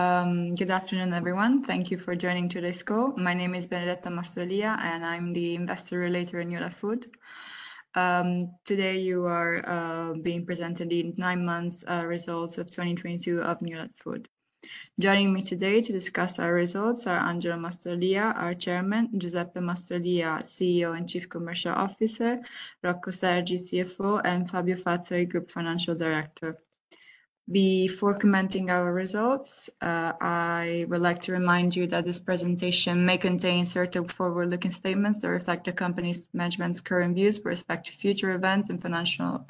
Good afternoon, everyone. Thank you for joining today's call. My name is Benedetta Mastrolia, and I'm the Head of Investor Relations in Newlat Food. Today you are being presented the 9 months results of 2022 of Newlat Food. Joining me today to discuss our results are Angelo Mastrolia, our Chairman, Giuseppe Mastrolia, CEO and Chief Commercial Officer, Rocco Sergi, CFO, and Fabio Fazzari, Group Financial Director. Before commenting our results, I would like to remind you that this presentation may contain certain forward-looking statements that reflect the company's management's current views with respect to future events and financial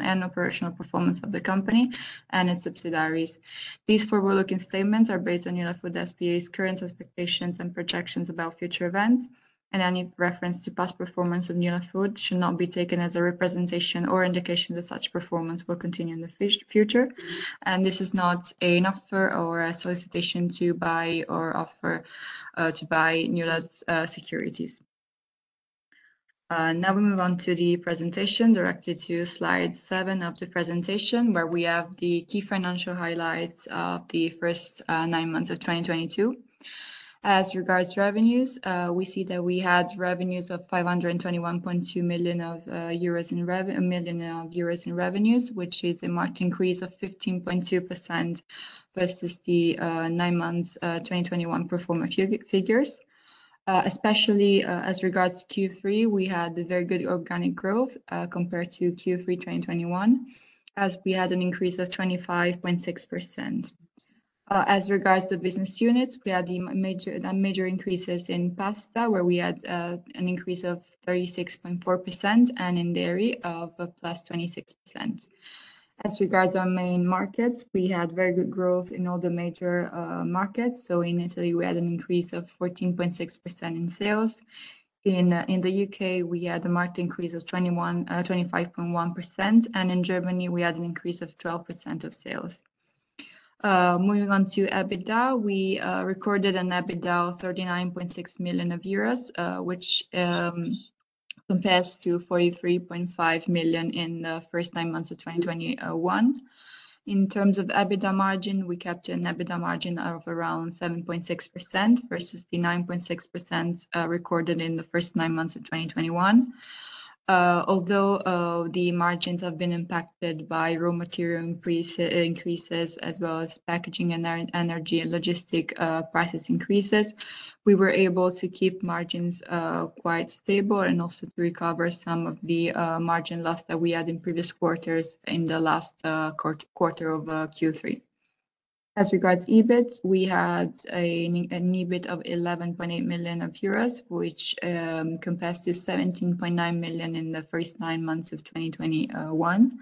and operational performance of the company and its subsidiaries. These forward-looking statements are based on Newlat Food S.p.A.'s current expectations and projections about future events, and any reference to past performance of Newlat Food should not be taken as a representation or indication that such performance will continue in the future. This is not an offer or a solicitation to buy or offer to buy Newlat Food' securities. Now we move on to the presentation directly to slide seven of the presentation, where we have the key financial highlights of the first nine months of 2022. As regards revenues, we see that we had revenues of 521.2 million euros, which is a marked increase of 15.2% versus the nine months 2021 performance figures. Especially, as regards to Q3, we had a very good organic growth, compared to Q3 2021, as we had an increase of 25.6%. As regards to business units, we had the major increases in pasta, where we had an increase of 36.4%, and in dairy of a +26%. As regards our main markets, we had very good growth in all the major markets. In Italy, we had an increase of 14.6% in sales. In the UK, we had a marked increase of 25.1%, and in Germany we had an increase of 12% of sales. Moving on to EBITDA, we recorded an EBITDA of 39.6 million euros, which compares to 43.5 million in the first nine months of 2021. In terms of EBITDA margin, we kept an EBITDA margin of around 7.6% versus the 9.6% recorded in the first nine months of 2021. Although the margins have been impacted by raw material increases as well as packaging and energy and logistics price increases, we were able to keep margins quite stable and also to recover some of the margin loss that we had in previous quarters in the last quarter of Q3. As regards EBIT, we had an EBIT of 11.8 million euros, which compares to 17.9 million in the first nine months of 2021.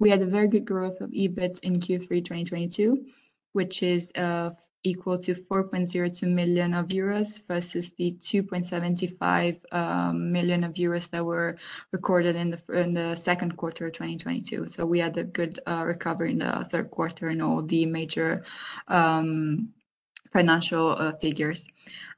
We had a very good growth of EBIT in Q3 2022, which is equal to 4.02 million euros versus the 2.75 million euros that were recorded in the second quarter of 2022. We had a good recovery in the third quarter in all the major financial figures.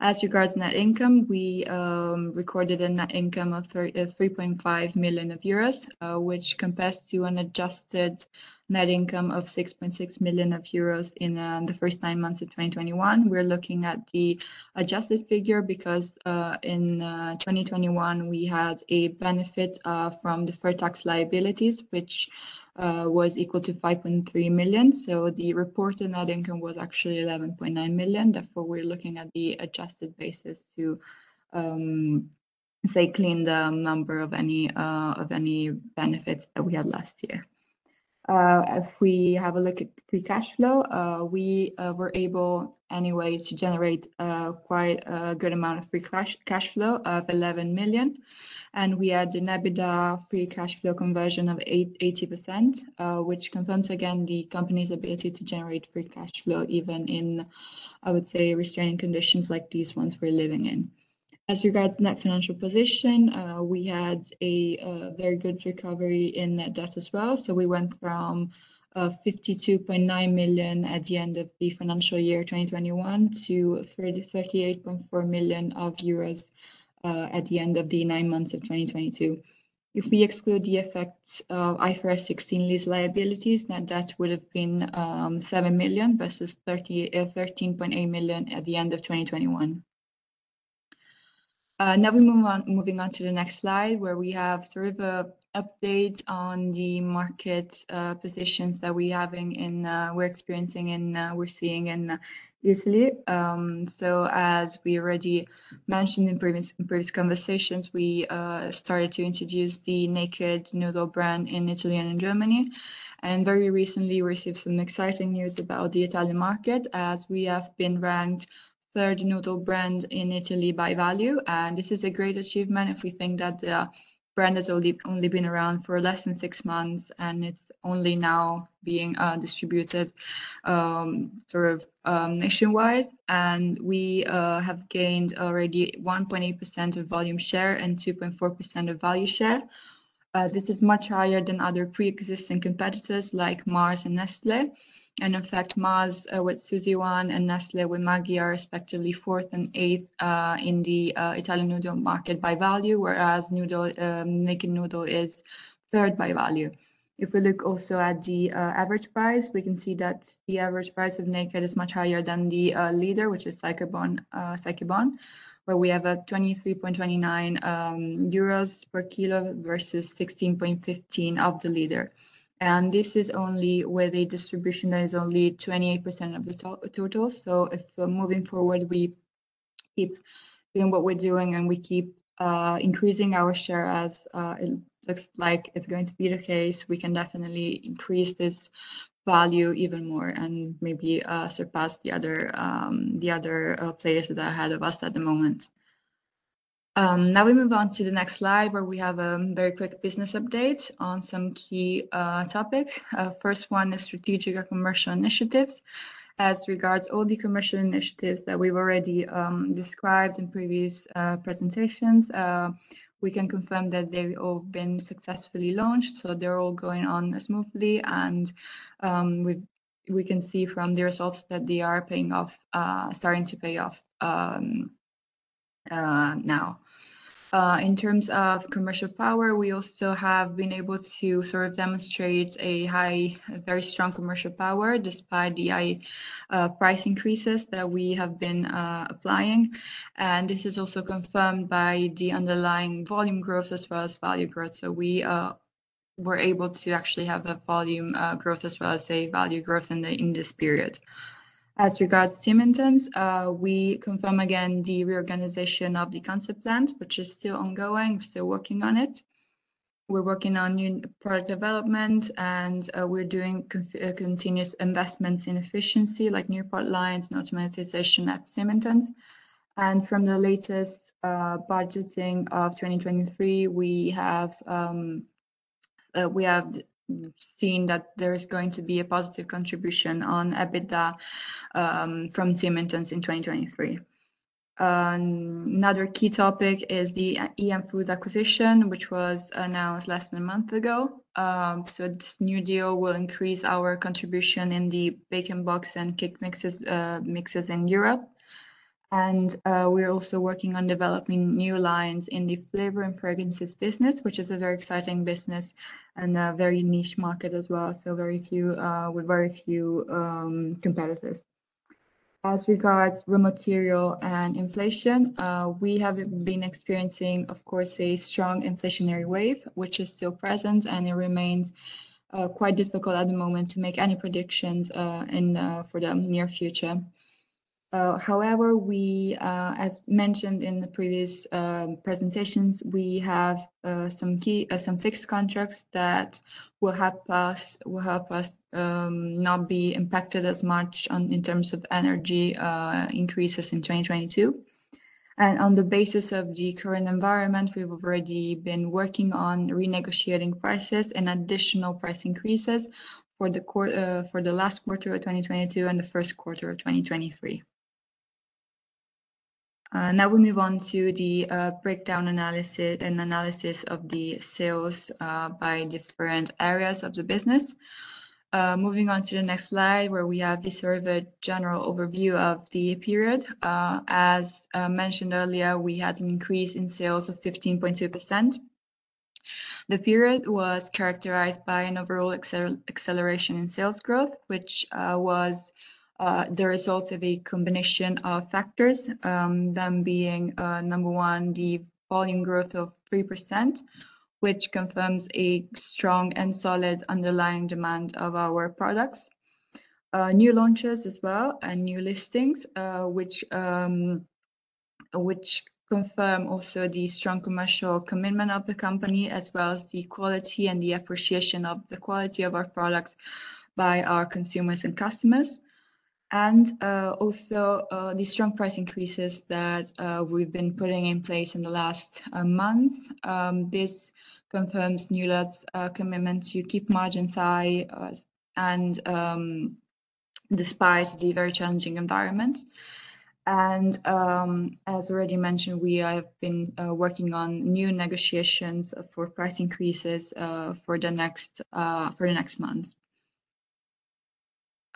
As regards net income, we recorded a net income of 3.5 million euros, which compares to an adjusted net income of 6.6 million euros in the first nine months of 2021. We're looking at the adjusted figure because in 2021 we had a benefit from deferred tax liabilities which was equal to 5.3 million. The reported net income was actually 11.9 million. Therefore, we're looking at the adjusted basis to say clean the number of any benefits that we had last year. If we have a look at free cash flow, we were able anyway to generate quite a good amount of free cash flow of 11 million. We had an EBITDA free cash flow conversion of 80%, which confirms again the company's ability to generate free cash flow even in, I would say, restraining conditions like these ones we're living in. As regards net financial position, we had a very good recovery in net debt as well. We went from 52.9 million at the end of the financial year 2021 to 38.4 million euros at the end of the nine months of 2022. If we exclude the effects of IFRS 16 lease liabilities, net debt would have been 7 million versus 13.8 million at the end of 2021. Now we move on to the next slide, where we have sort of an update on the market positions that we have and we're experiencing and we're seeing in Italy. As we already mentioned in previous conversations, we started to introduce the Naked Noodle brand in Italy and in Germany, and very recently received some exciting news about the Italian market, as we have been ranked third noodle brand in Italy by value. This is a great achievement if we think that the brand has only been around for less than six months, and it's only now being distributed sort of nationwide. We have gained already 1.8% of volume share and 2.4% of value share. This is much higher than other pre-existing competitors like Mars and Nestlé. In fact, Mars with Suzi Wan and Nestlé with Maggi are respectively fourth and eighth in the Italian noodle market by value, whereas Naked Noodle is third by value. If we look also at the average price, we can see that the average price of Naked is much higher than the leader, which is Saikebon, where we have 23.29 euros per kilo versus 16.15 of the leader. This is only where the distribution is only 28% of the total. If moving forward, we keep doing what we're doing and we keep increasing our share as it looks like it's going to be the case, we can definitely increase this value even more and maybe surpass the other players that are ahead of us at the moment. Now we move on to the next slide, where we have a very quick business update on some key topic. First one is strategic or commercial initiatives. As regards all the commercial initiatives that we've already described in previous presentations, we can confirm that they've all been successfully launched, so they're all going on smoothly. We can see from the results that they are paying off, starting to pay off now. In terms of commercial power, we also have been able to sort of demonstrate a very strong commercial power despite the price increases that we have been applying. This is also confirmed by the underlying volume growth as well as value growth. We were able to actually have a volume growth as well as a value growth in this period. As regards Symington's, we confirm again the reorganization of the Consett plant, which is still ongoing. We're still working on it. We're working on new product development, and we're doing continuous investments in efficiency, like new product lines and automation at Symington's. From the latest budgeting of 2023, we have seen that there is going to be a positive contribution on EBITDA from Symington's in 2023. Another key topic is the EM Foods acquisition, which was announced less than a month ago. This new deal will increase our contribution in the Bake in the Box and cake mixes in Europe. We're also working on developing new lines in the flavor and fragrances business, which is a very exciting business and a very niche market as well, so very few competitors. As regards raw material and inflation, we have been experiencing, of course, a strong inflationary wave, which is still present, and it remains quite difficult at the moment to make any predictions in for the near future. However, we, as mentioned in the previous presentations, we have some key fixed contracts that will help us not be impacted as much on in terms of energy increases in 2022. On the basis of the current environment, we've already been working on renegotiating prices and additional price increases for the last quarter of 2022 and the first quarter of 2023. Now we move on to the breakdown analysis of the sales by different areas of the business. Moving on to the next slide, where we have the sort of a general overview of the period. As mentioned earlier, we had an increase in sales of 15.2%. The period was characterized by an overall acceleration in sales growth, which was the result of a combination of factors, them being number one, the volume growth of 3%, which confirms a strong and solid underlying demand of our products. New launches as well and new listings, which confirm also the strong commercial commitment of the company, as well as the quality and the appreciation of the quality of our products by our consumers and customers. The strong price increases that we've been putting in place in the last months. This confirms Newlat's commitment to keep margins high and despite the very challenging environment. As already mentioned, we have been working on new negotiations for price increases for the next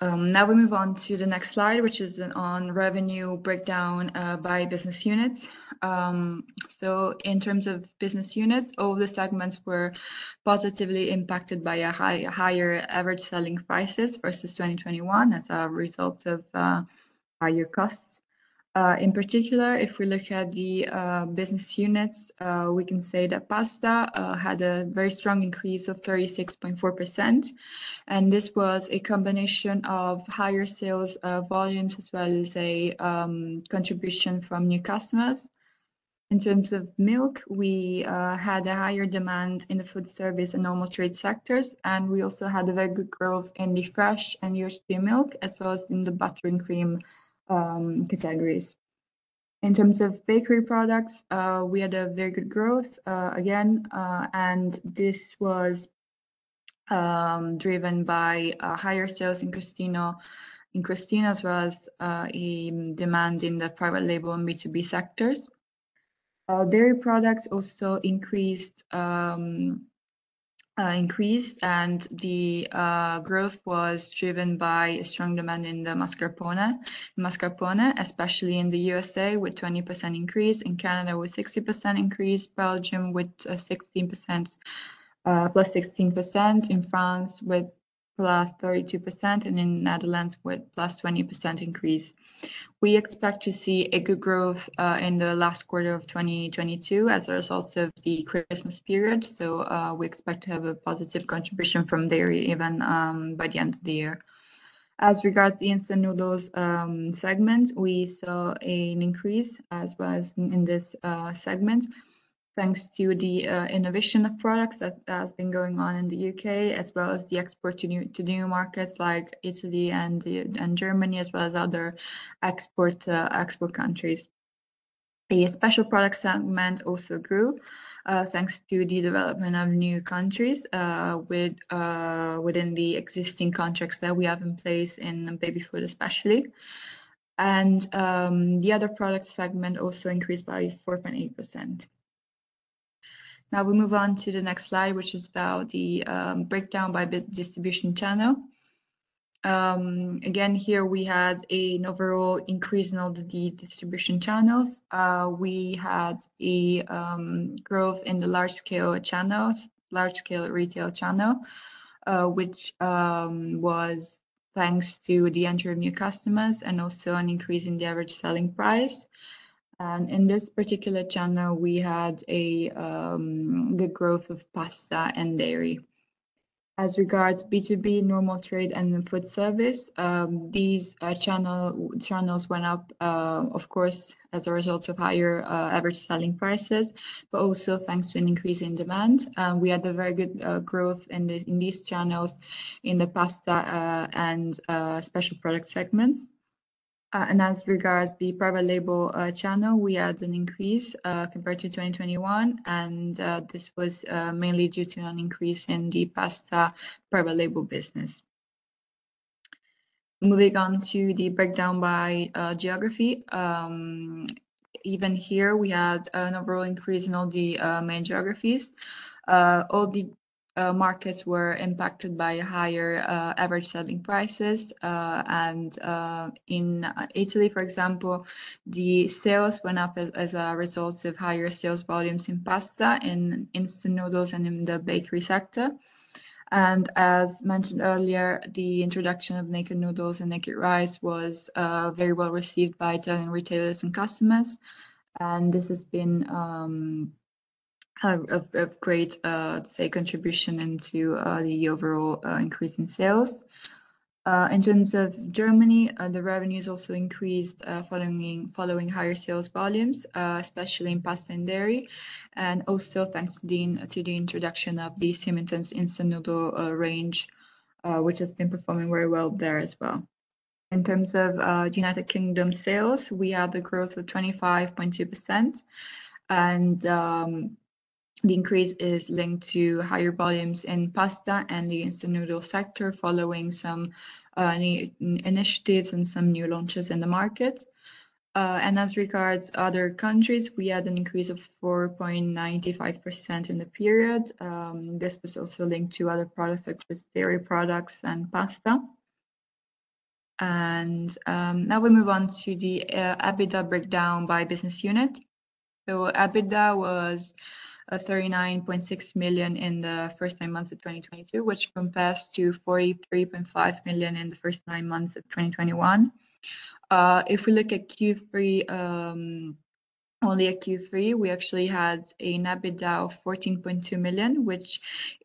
months. Now we move on to the next slide, which is on revenue breakdown by business units. In terms of business units, all the segments were positively impacted by higher average selling prices versus 2021 as a result of higher costs. In particular, if we look at the business units, we can say that pasta had a very strong increase of 36.4%, and this was a combination of higher sales volumes as well as a contribution from new customers. In terms of milk, we had a higher demand in the food service and normal trade sectors, and we also had a very good growth in the fresh milk and yogurt, as well as in the butter and cream categories. In terms of bakery products, we had a very good growth again, and this was driven by higher sales in Cristina as well as in demand in the private label and B2B sectors. Dairy products also increased and the growth was driven by a strong demand in the mascarpone, especially in the USA with 20% increase, in Canada with 60% increase, Belgium with +16%, in France with +32%, and in Netherlands with +20% increase. We expect to see a good growth in the last quarter of 2022 as a result of the Christmas period. We expect to have a positive contribution from dairy even by the end of the year. As regards the instant noodles segment, we saw an increase as well as in this segment, thanks to the innovation of products that has been going on in the U.K., as well as the export to new markets like Italy and Germany, as well as other export countries. The special product segment also grew, thanks to the development of new countries within the existing contracts that we have in place in baby food especially. The other product segment also increased by 4.8%. Now we move on to the next slide, which is about the breakdown by distribution channel. Again, here we had an overall increase in all the distribution channels. We had a growth in the large scale channels, large scale retail channel, which was thanks to the entry of new customers and also an increase in the average selling price. In this particular channel, we had a good growth of pasta and dairy. As regards B2B, normal trade and food service, these channels went up, of course, as a result of higher average selling prices, but also thanks to an increase in demand. We had a very good growth in these channels in the pasta and special product segments. As regards the private label channel, we had an increase compared to 2021, and this was mainly due to an increase in the pasta private label business. Moving on to the breakdown by geography. Even here we had an overall increase in all the main geographies. All the markets were impacted by higher average selling prices. In Italy, for example, the sales went up as a result of higher sales volumes in pasta, in instant noodles and in the bakery sector. As mentioned earlier, the introduction of Naked Noodle and Naked Rice was very well received by Italian retailers and customers. This has been a great contribution to the overall increase in sales. In terms of Germany, the revenues also increased following higher sales volumes, especially in pasta and dairy. Also thanks to the introduction of the Symington's instant noodle range, which has been performing very well there as well. In terms of United Kingdom sales, we had a growth of 25.2%. The increase is linked to higher volumes in pasta and the instant noodle sector following some new initiatives and some new launches in the market. As regards other countries, we had an increase of 4.95% in the period. This was also linked to other products such as dairy products and pasta. Now we move on to the EBITDA breakdown by business unit. EBITDA was 39.6 million in the first nine months of 2022, which compared to 43.5 million in the first nine months of 2021. If we look at Q3, only at Q3, we actually had an EBITDA of 14.2 million, which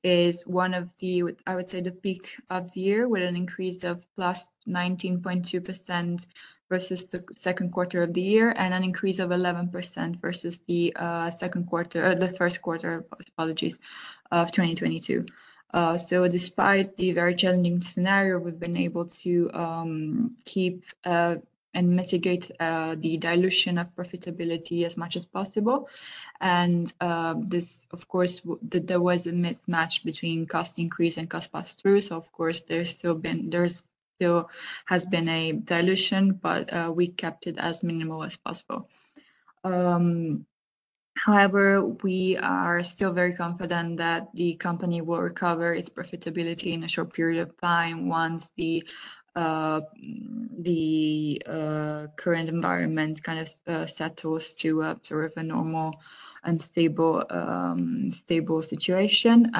is one of the, I would say, the peak of the year with an increase of +19.2% versus the second quarter of the year and an increase of 11% versus the first quarter, apologies, of 2022. Despite the very challenging scenario, we've been able to keep and mitigate the dilution of profitability as much as possible. This of course, there was a mismatch between cost increase and cost pass-through. Of course, there's still been a dilution, but we kept it as minimal as possible. However, we are still very confident that the company will recover its profitability in a short period of time once the current environment kind of settles to a sort of a normal and stable situation.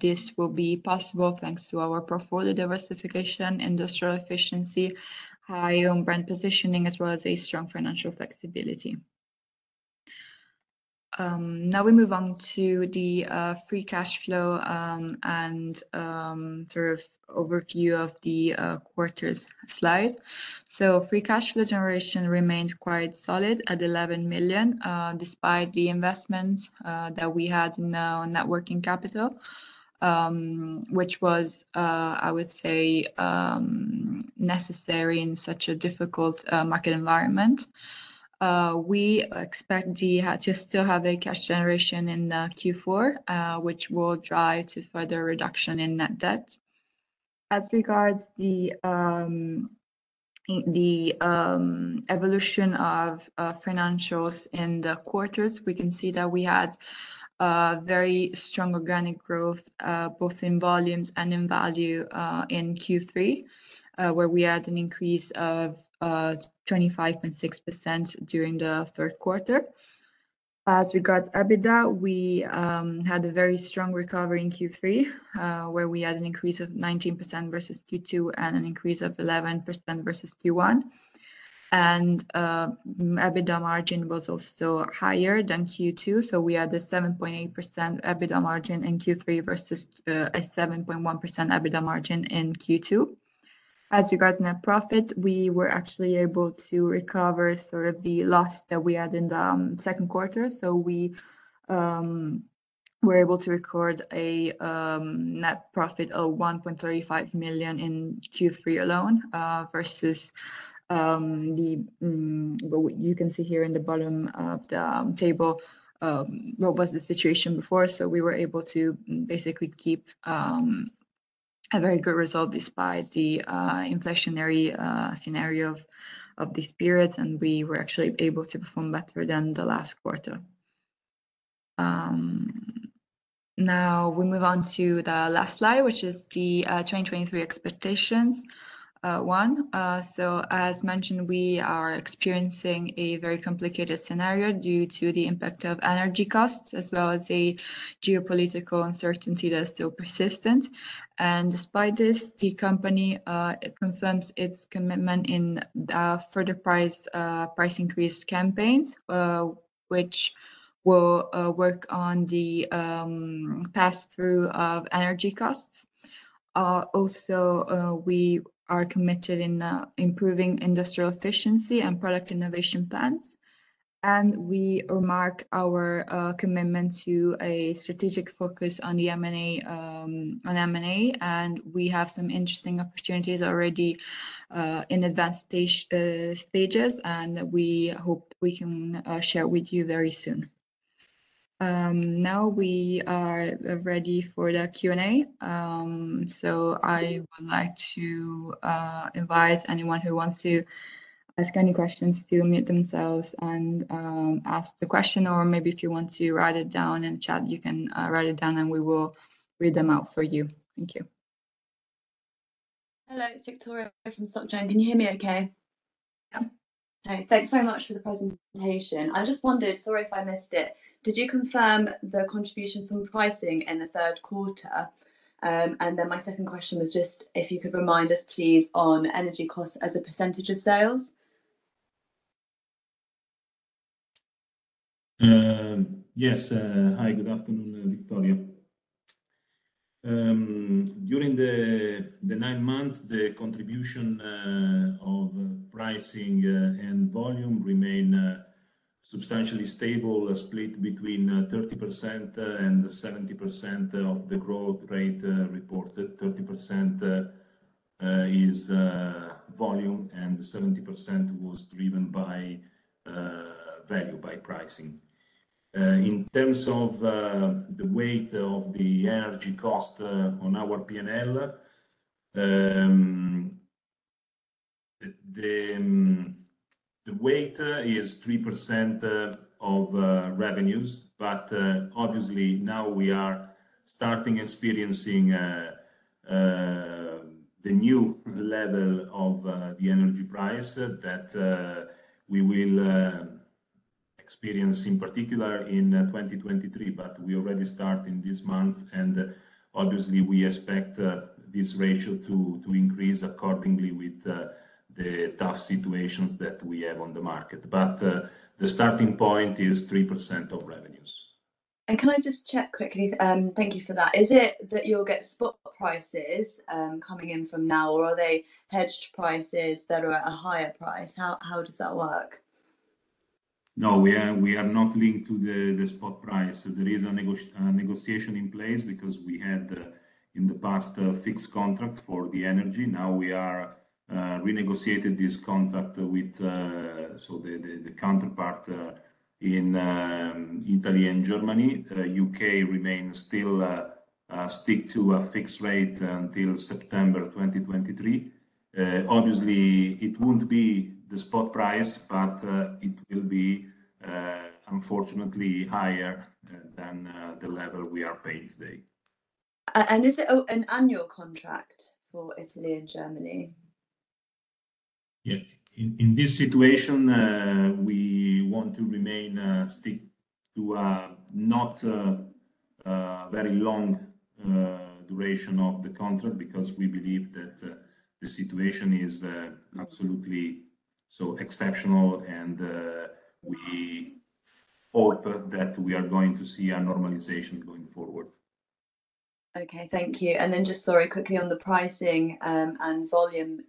This will be possible thanks to our portfolio diversification, industrial efficiency, high own brand positioning, as well as a strong financial flexibility. Now we move on to the free cash flow and sort of overview of the quarters slide. Free cash flow generation remained quite solid at 11 million despite the investment that we had in our net working capital, which was, I would say, necessary in such a difficult market environment. We expect to still have a cash generation in Q4, which will drive to further reduction in net debt. As regards the evolution of financials in the quarters, we can see that we had very strong organic growth both in volumes and in value in Q3 where we had an increase of 25.6% during the third quarter. As regards EBITDA, we had a very strong recovery in Q3 where we had an increase of 19% versus Q2 and an increase of 11% versus Q1. EBITDA margin was also higher than Q2, so we had a 7.8% EBITDA margin in Q3 versus a 7.1% EBITDA margin in Q2. As regards net profit, we were actually able to recover sort of the loss that we had in the second quarter. We were able to record a net profit of 1.35 million in Q3 alone, versus the well, you can see here in the bottom of the table what was the situation before. We were able to basically keep a very good result despite the inflationary scenario of this period, and we were actually able to perform better than the last quarter. Now we move on to the last slide, which is the 2023 expectations one. As mentioned, we are experiencing a very complicated scenario due to the impact of energy costs as well as a geopolitical uncertainty that's still persistent. Despite this, the company confirms its commitment in further price increase campaigns, which will work on the pass-through of energy costs. Also, we are committed in improving industrial efficiency and product innovation plans, and we remark our commitment to a strategic focus on the M&A, and we have some interesting opportunities already in advanced stages, and we hope we can share with you very soon. Now we are ready for the Q&A. I would like to invite anyone who wants to ask any questions to unmute themselves and ask the question. Maybe if you want to write it down in chat, you can write it down and we will read them out for you. Thank you. Hello, it's Victoria from SocGen. Can you hear me okay? Yeah. Okay. Thanks very much for the presentation. I just wondered, sorry if I missed it, did you confirm the contribution from pricing in the third quarter? My second question was just if you could remind us, please, on energy costs as a percentage of sales. Yes. Hi, good afternoon, Victoria. During the nine months, the contribution of pricing and volume remain substantially stable, split between 30% and 70% of the growth rate reported. 30% is volume, and 70% was driven by value, by pricing. In terms of the weight of the energy cost on our P&L, the weight is 3% of revenues. Obviously now we are starting experiencing the new level of the energy price that we will experience in particular in 2023, but we already start in this month. Obviously we expect this ratio to increase accordingly with the tough situations that we have on the market. The starting point is 3% of revenues. Can I just check quickly? Thank you for that. Is it that you'll get spot prices, coming in from now, or are they hedged prices that are at a higher price? How does that work? No, we are not linked to the spot price. There is a negotiation in place because we had in the past a fixed contract for the energy. Now we are renegotiating this contract with the counterpart in Italy and Germany. UK still sticks to a fixed rate until September 2023. Obviously it won't be the spot price, but it will be unfortunately higher than the level we are paying today. Is it an annual contract for Italy and Germany? In this situation, we want to stick to a not very long duration of the contract because we believe that the situation is absolutely so exceptional and we hope that we are going to see a normalization going forward. Okay, thank you. Just sorry, quickly on the pricing and volume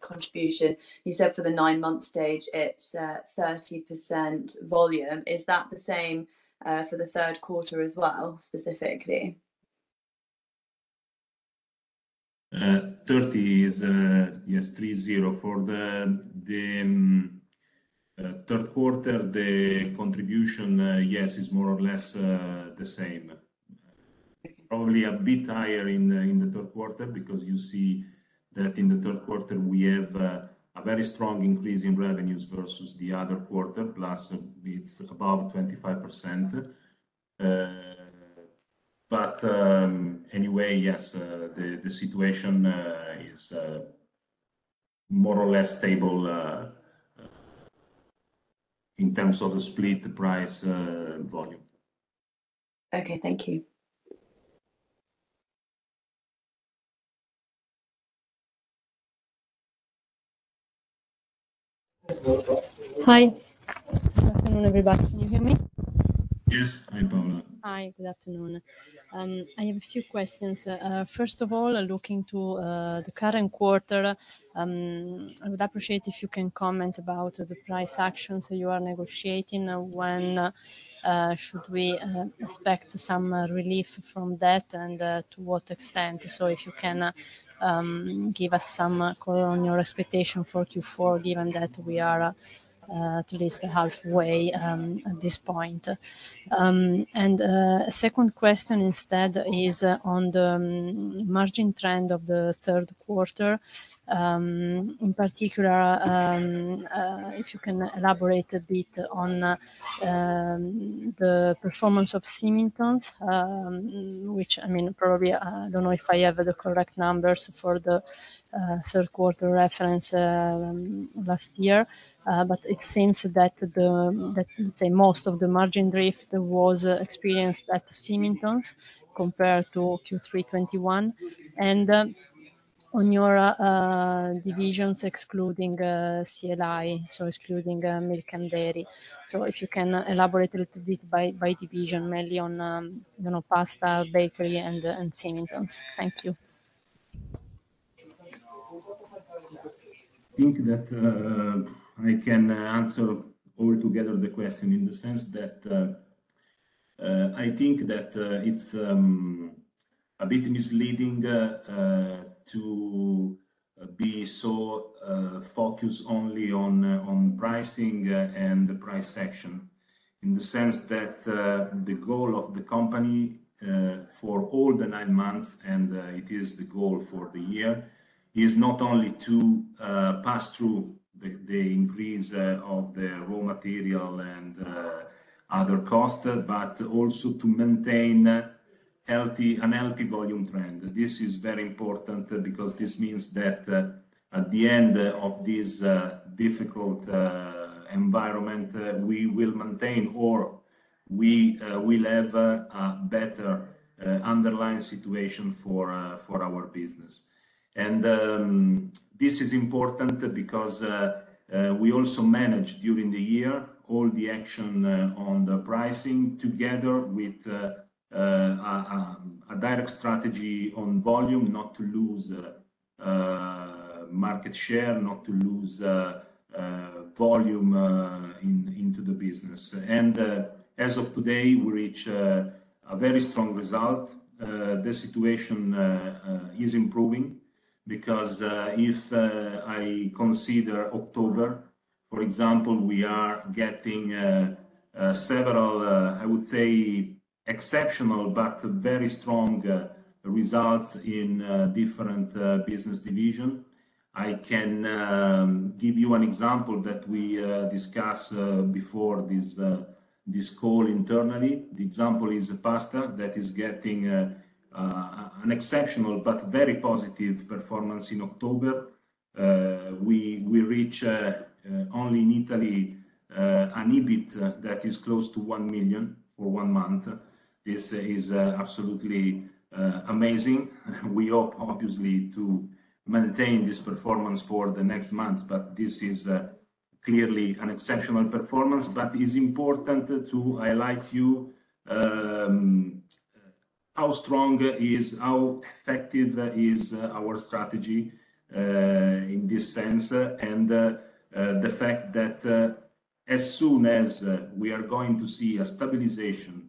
contribution. You said for the nine-month stage it's 30% volume. Is that the same for the third quarter as well, specifically? 30 is, yes, 30. For the third quarter, the contribution, yes, is more or less the same. Probably a bit higher in the third quarter because you see that in the third quarter we have a very strong increase in revenues versus the other quarter plus it's above 25%. Anyway, yes, the situation is more or less stable in terms of the split price, volume. Okay. Thank you. Hi. Good afternoon, everybody. Can you hear me? Yes. Hi, Paola. Hi. Good afternoon. I have a few questions. First of all, looking to the current quarter, I would appreciate if you can comment about the price actions you are negotiating. When should we expect some relief from that, and to what extent? If you can give us some color on your expectation for Q4, given that we are at least halfway at this point. Second question instead is on the margin trend of the third quarter. In particular, if you can elaborate a bit on the performance of Symington's, which, I mean, probably, I don't know if I have the correct numbers for the third quarter reference last year. It seems that the That say most of the margin drift was experienced at Symington's compared to Q3 2021. On your divisions excluding CLI, so excluding milk and dairy. If you can elaborate a little bit by division, mainly on, you know, pasta, bakery and Symington's. Thank you. I think that I can answer all together the question in the sense that I think that it's a bit misleading to be so focused only on pricing and the price section, in the sense that the goal of the company for all the nine months, and it is the goal for the year, is not only to pass through the increase of the raw material and other costs, but also to maintain a healthy volume trend. This is very important because this means that at the end of this difficult environment we will maintain or we will have a better underlying situation for our business. This is important because we also manage during the year all the action on the pricing together with a direct strategy on volume, not to lose market share, not to lose volume into the business. As of today, we reach a very strong result. The situation is improving because if I consider October, for example, we are getting several, I would say exceptional, but very strong results in different business division. I can give you an example that we discussed before this call internally. The example is pasta that is getting an exceptional but very positive performance in October. We reach only in Italy an EBIT that is close to 1 million for one month. This is absolutely amazing. We hope obviously to maintain this performance for the next months, but this is clearly an exceptional performance. It's important to highlight to you how strong is, how effective is our strategy in this sense, and the fact that, as soon as we are going to see a stabilization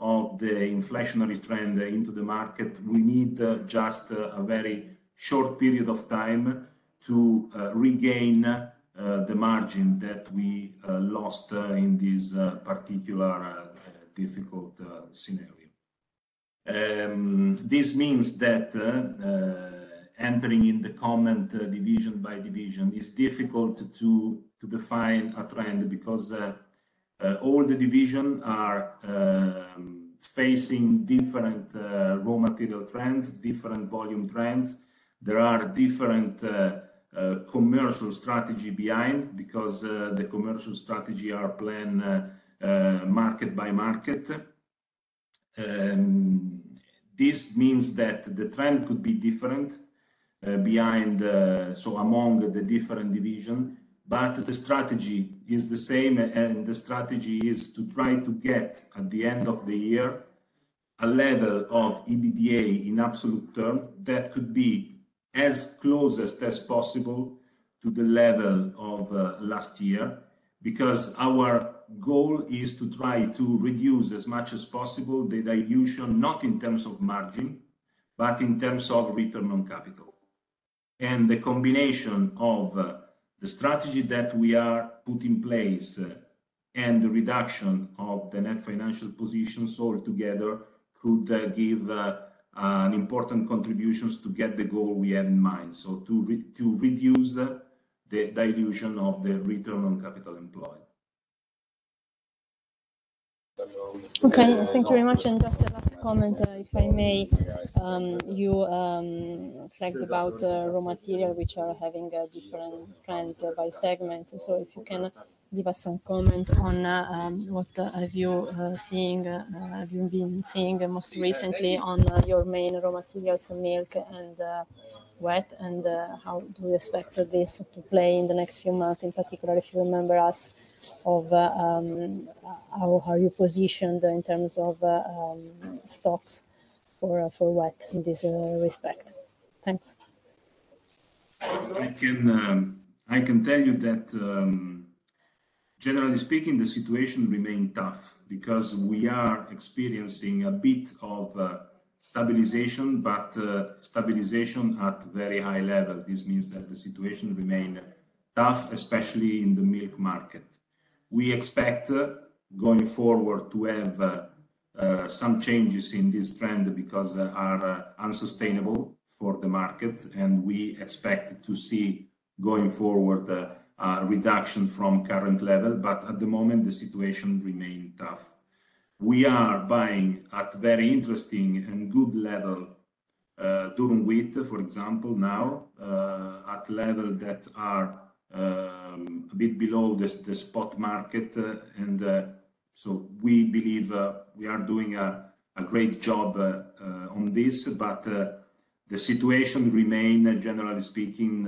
of the inflationary trend in the market, we need just a very short period of time to regain the margin that we lost in this particular difficult scenario. This means that commenting division by division is difficult to define a trend because all the divisions are facing different raw material trends, different volume trends. There are different commercial strategies behind because the commercial strategies are planned market by market. This means that the trend could be different so among the different divisions, but the strategy is the same, and the strategy is to try to get at the end of the year a level of EBITDA in absolute terms that could be as close as best possible to the level of last year, because our goal is to try to reduce as much as possible the dilution, not in terms of margin, but in terms of return on capital. The combination of the strategy that we are put in place and the reduction of the net financial position altogether could give an important contributions to get the goal we have in mind to reduce the dilution of the return on capital employed. Okay. Thank you very much. Just a last comment, if I may. You flagged about raw material, which are having different trends by segments. If you can leave us some comment on what you have been seeing most recently on your main raw materials, milk and wheat, and how do you expect this to play in the next few months, in particular, if you remind us of how you are positioned in terms of stocks for that in this respect. Thanks. I can tell you that, generally speaking, the situation remain tough because we are experiencing a bit of stabilization, but stabilization at very high level. This means that the situation remain tough, especially in the milk market. We expect, going forward, to have some changes in this trend because are unsustainable for the market, and we expect to see, going forward, a reduction from current level. At the moment, the situation remain tough. We are buying at very interesting and good level, durum wheat, for example, now, at level that are a bit below the spot market. We believe we are doing a great job on this. The situation remain, generally speaking,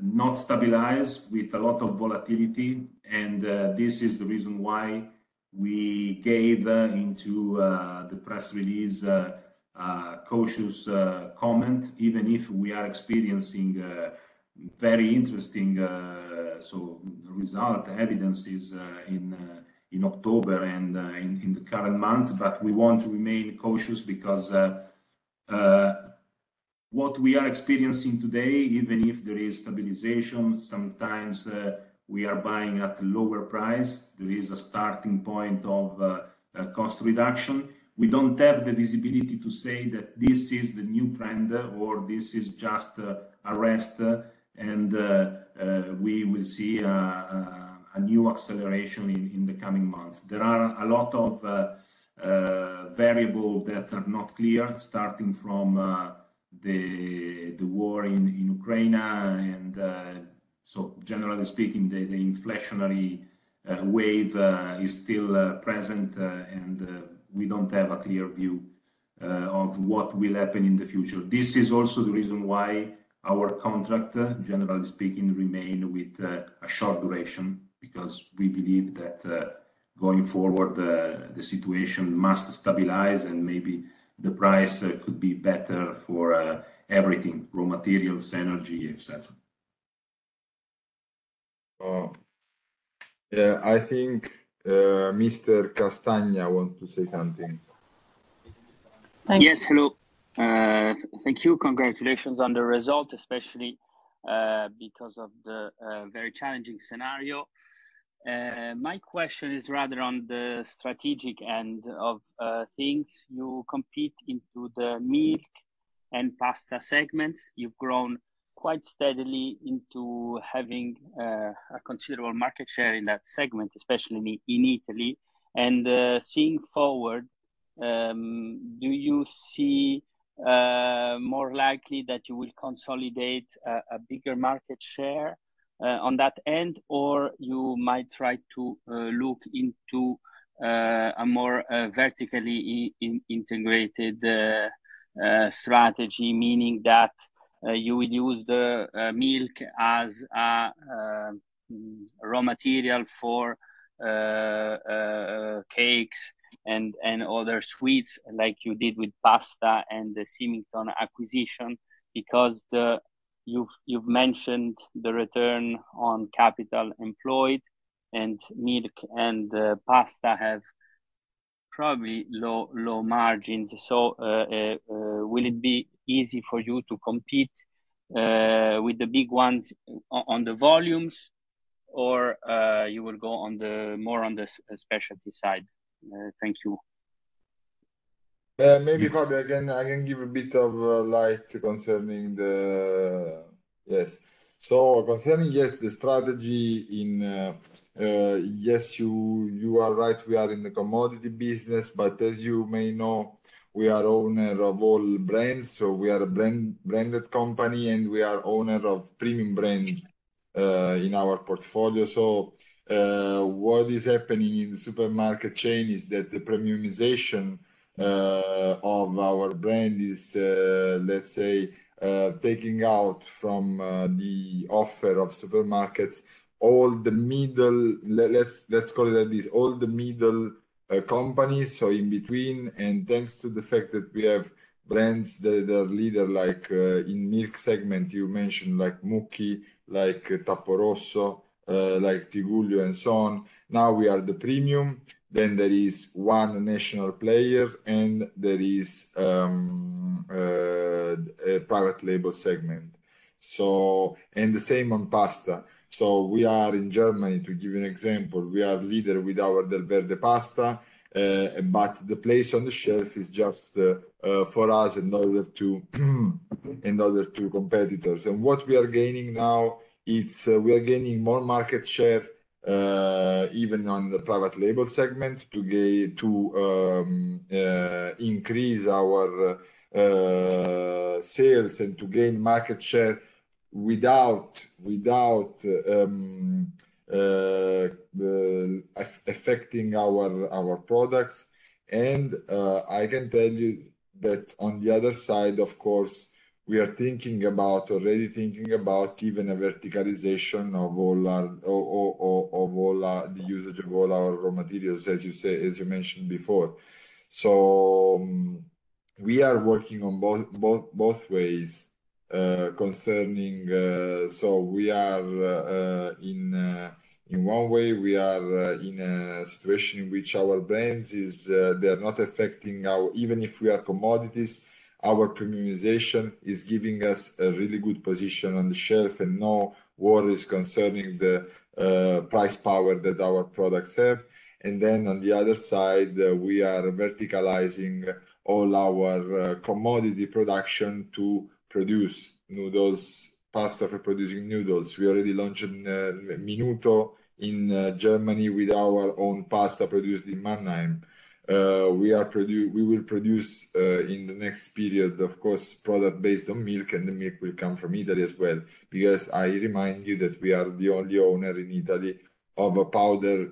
not stabilized with a lot of volatility. This is the reason why we put in to the press release cautious comment, even if we are experiencing very interesting solid results evidence in October and in the current months. We want to remain cautious because what we are experiencing today, even if there is stabilization, sometimes we are buying at lower price. There is a starting point of cost reduction. We don't have the visibility to say that this is the new trend or this is just a rest, and we will see a new acceleration in the coming months. There are a lot of variables that are not clear, starting from the war in Ukraine. Generally speaking, the inflationary wave is still present, and we don't have a clear view of what will happen in the future. This is also the reason why our contract, generally speaking, remain with a short duration because we believe that going forward the situation must stabilize, and maybe the price could be better for everything, raw materials, energy, et cetera. I think, Mr. Castagna wants to say something. Thanks. Yes. Hello. Thank you. Congratulations on the result, especially because of the very challenging scenario. My question is rather on the strategic end of things. You compete into the milk and pasta segments. You've grown quite steadily into having a considerable market share in that segment, especially in Italy. Seeing forward, do you see more likely that you will consolidate a bigger market share on that end, or you might try to look into a more vertically integrated strategy? Meaning that you will use the milk as a raw material for cakes and other sweets like you did with pasta and the Symington's acquisition. Because you've mentioned the return on capital employed, and milk and pasta have probably low margins. Will it be easy for you to compete with the big ones on the volumes or you will go more on the specialty side? Thank you. Maybe, Fabio, I can give a bit of light concerning the strategy. Yes, you are right. We are in the commodity business. As you may know, we are owner of all brands. We are a brand, branded company, and we are owner of premium brand in our portfolio. What is happening in the supermarket chain is that the premiumization of our brand is, let's say, taking out from the offer of supermarkets, all the middle, let's call it like this, all the middle companies, so in between, and thanks to the fact that we have brands that are leader, like, in milk segment, you mentioned like Mukki, like Tapporosso, like Tigullio and so on. Now we are the premium, then there is one national player, and there is a private label segment. The same on pasta. We are in Germany, to give you an example, we are leader with our Delverde pasta, but the place on the shelf is just for us and other two competitors. What we are gaining now, it's we are gaining more market share even on the private label segment to increase our sales and to gain market share without affecting our products. I can tell you that on the other side, of course, we are already thinking about even a verticalization of all our the usage of all our raw materials, as you say, as you mentioned before. We are working on both ways concerning. We are in one way in a situation in which our brands is they are not affecting our. Even if we are commodities, our premiumization is giving us a really good position on the shelf and no worries concerning the price power that our products have. On the other side, we are verticalizing all our commodity production to produce noodles, pasta for producing noodles. We already launched Minuto in Germany with our own pasta produced in Mannheim. We will produce in the next period, of course, product based on milk, and the milk will come from Italy as well. I remind you that we are the only owner in Italy of a powder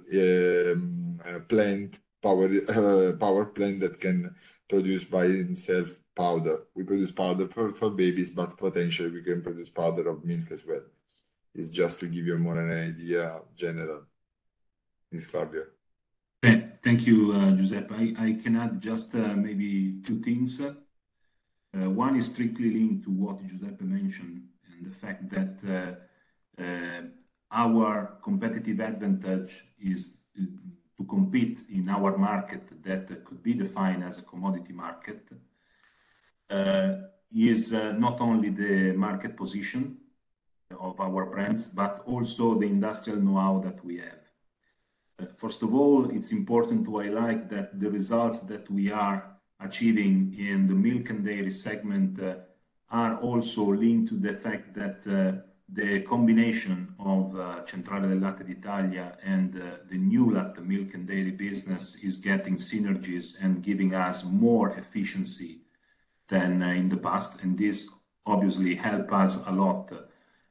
plant that can produce by itself powder. We produce powder for babies, but potentially we can produce powder of milk as well. It's just to give you a more general idea. Fabio. Thank you, Giuseppe. I can add just maybe two things. One is strictly linked to what Giuseppe mentioned, and the fact that our competitive advantage is to compete in our market that could be defined as a commodity market is not only the market position of our brands, but also the industrial know-how that we have. First of all, it's important to highlight that the results that we are achieving in the milk and dairy segment are also linked to the fact that the combination of Centrale del Latte d'Italia and the new milk and dairy business is getting synergies and giving us more efficiency than in the past. This obviously help us a lot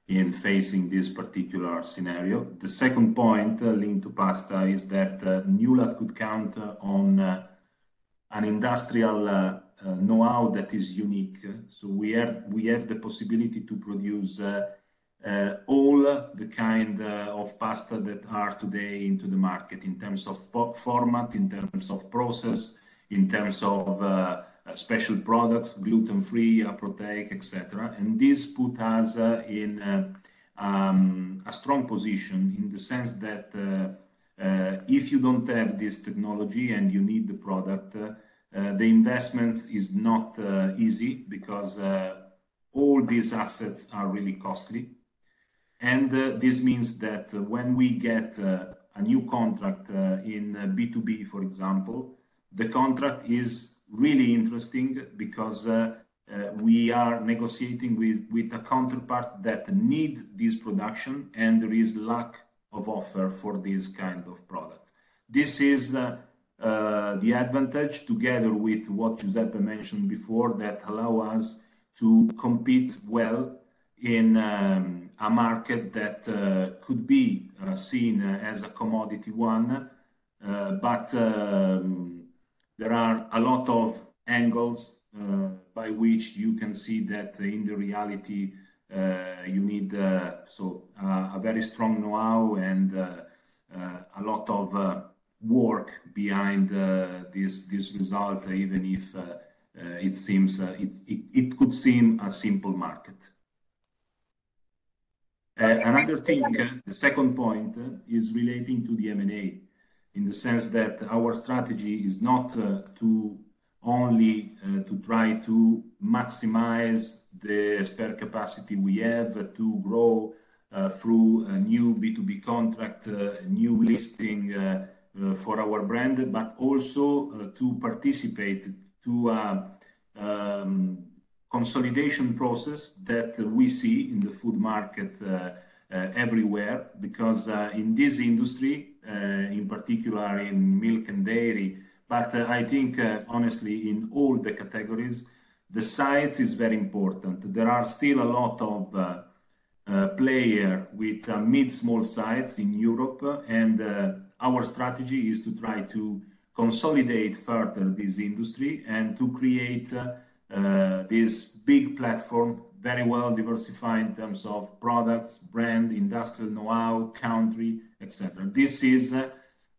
in facing this particular scenario. The second point linked to pasta is that, Newlat could count on, an industrial, know-how that is unique. We have the possibility to produce, all the kind of pasta that are today into the market in terms of format, in terms of process, in terms of, special products, gluten-free, proteica, et cetera. This put us in a strong position in the sense that, if you don't have this technology and you need the product, the investments is not easy because, all these assets are really costly. This means that when we get a new contract in B2B, for example, the contract is really interesting because we are negotiating with a counterpart that need this production, and there is lack of offer for this kind of product. This is the advantage together with what Giuseppe mentioned before that allow us to compete well in a market that could be seen as a commodity one. There are a lot of angles by which you can see that in reality you need a very strong know-how and a lot of work behind this result, even if it could seem a simple market. Another thing, the second point is relating to the M&A, in the sense that our strategy is not only to try to maximize the spare capacity we have to grow through a new B2B contract, a new listing for our brand, but also to participate in the consolidation process that we see in the food market everywhere. Because in this industry, in particular in milk and dairy, but I think honestly, in all the categories, the size is very important. There are still a lot of players with mid- to small size in Europe, and our strategy is to try to consolidate further this industry and to create this big platform, very well diversified in terms of products, brand, industrial know-how, country, et cetera. This is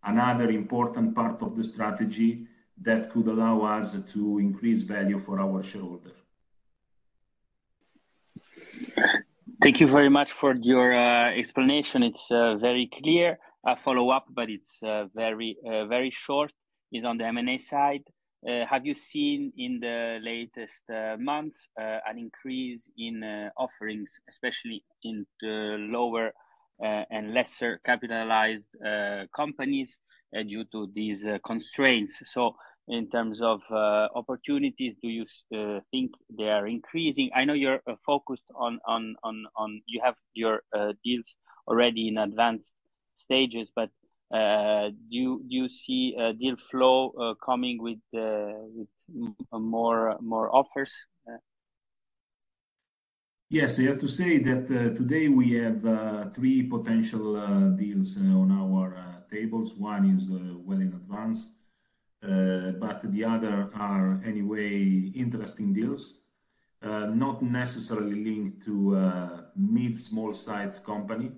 another important part of the strategy that could allow us to increase value for our shareholder. Thank you very much for your explanation. It's very clear. A follow-up, it's very short. Is on the M&A side. Have you seen in the latest months an increase in offerings, especially in the lower and lesser capitalized companies due to these constraints? In terms of opportunities, do you think they are increasing? I know you're focused on you have your deals already in advanced stages, but do you see deal flow coming with more offers? Yes. I have to say that today we have three potential deals on our tables. One is well in advance, but the other are anyway interesting deals. Not necessarily linked to a mid, small size company.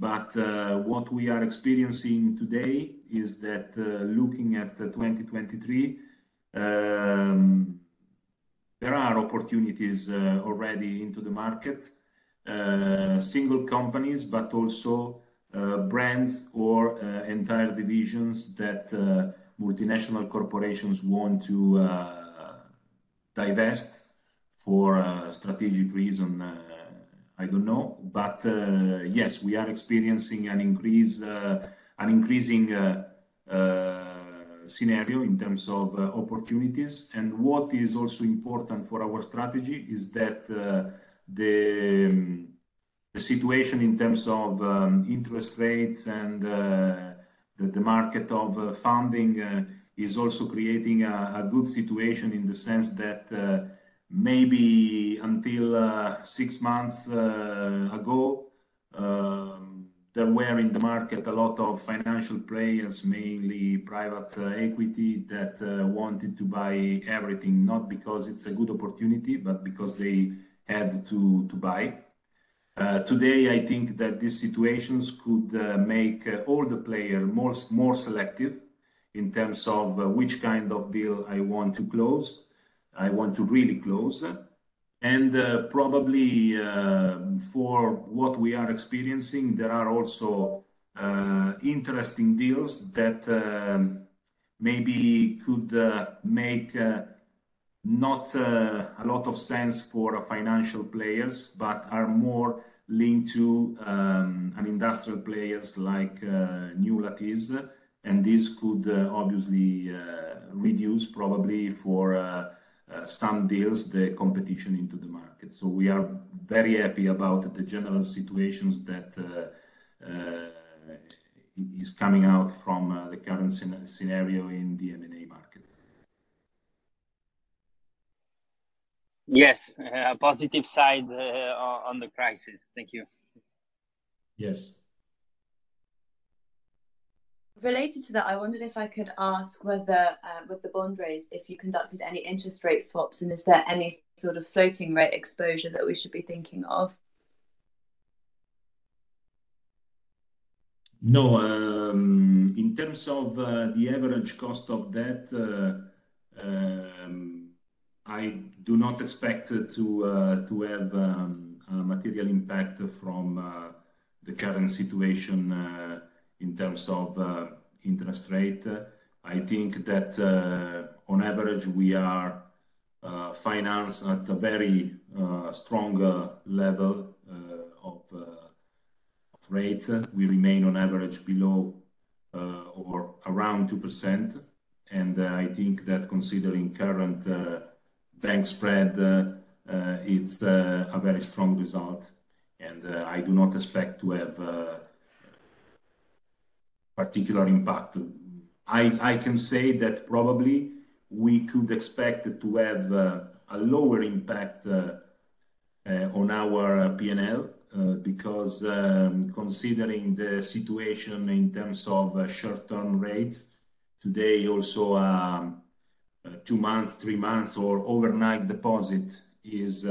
What we are experiencing today is that looking at 2023 there are opportunities already into the market. Single companies, but also brands or entire divisions that multinational corporations want to divest for a strategic reason. I don't know. Yes, we are experiencing an increase, an increasing scenario in terms of opportunities. What is also important for our strategy is that, the situation in terms of interest rates and the market of funding is also creating a good situation in the sense that, maybe until six months ago, there were in the market a lot of financial players, mainly private equity, that wanted to buy everything, not because it's a good opportunity, but because they had to buy. Today, I think that these situations could make all the players more selective in terms of which kind of deal I want to close, I want to really close. probably, for what we are experiencing, there are also interesting deals that maybe could make not a lot of sense for financial players, but are more linked to an industrial players like Newlat. This could obviously reduce probably for some deals the competition into the market. We are very happy about the general situations that is coming out from the current scenario in the M&A market. Yes. Positive side, on the crisis. Thank you. Yes. Related to that, I wondered if I could ask whether, with the bond raise, if you conducted any interest rate swaps, and is there any sort of floating rate exposure that we should be thinking of? No. In terms of the average cost of debt, I do not expect it to have a material impact from the current situation in terms of interest rate. I think that on average, we are financed at a very strong level of rate. We remain on average below or around 2%. I think that considering current bank spread, it's a very strong result. I do not expect to have a particular impact. I can say that probably we could expect to have a lower impact on our P&L because considering the situation in terms of short-term rates, today also two months, three months, or overnight deposit is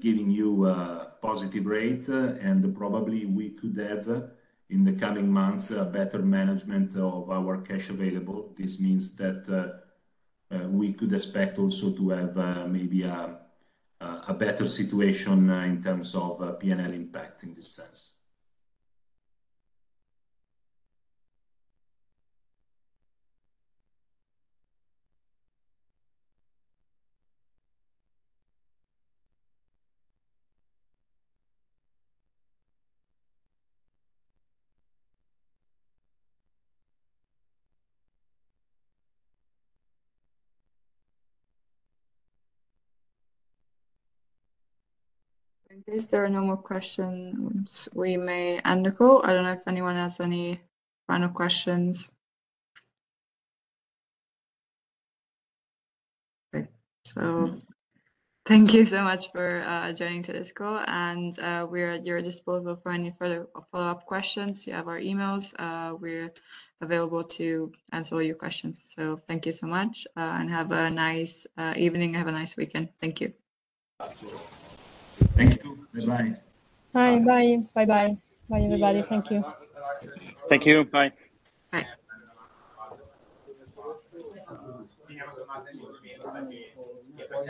giving you a positive rate, and probably we could have, in the coming months, a better management of our cash available. This means that we could expect also to have maybe a better situation in terms of P&L impact in this sense. If there are no more questions, we may end the call. I don't know if anyone has any final questions. Okay. Thank you so much for joining to this call, and we're at your disposal for any further follow-up questions. You have our emails. We're available to answer all your questions. Thank you so much, and have a nice evening. Have a nice weekend. Thank you. Thank you. Bye-bye. Bye-bye. Bye, everybody. Thank you. Thank you. Bye. Bye.